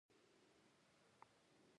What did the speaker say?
د فوټبال مینه وال شور او ځوږ جوړوي.